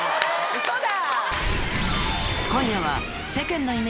ウソだ！